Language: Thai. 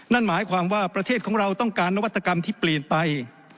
นั่นหมายความว่าประเทศของเราต้องการนวัตกรรมที่เปลี่ยนไป